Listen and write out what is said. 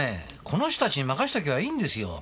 この人たちに任しとけばいいんですよ！